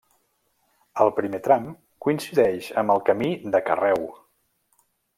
El primer tram coincideix amb el Camí de Carreu.